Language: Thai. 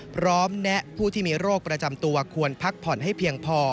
แนะผู้ที่มีโรคประจำตัวควรพักผ่อนให้เพียงพอ